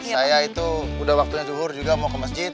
saya itu udah waktunya zuhur juga mau ke masjid